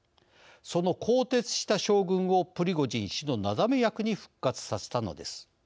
その更迭した将軍をプリゴジン氏のなだめ役に復活させたのです。